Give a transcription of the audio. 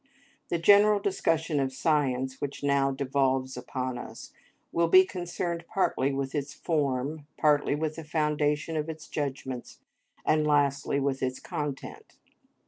The general discussion of science which now devolves upon us, will be concerned partly with its form, partly with the foundation of its judgments, and lastly with its content.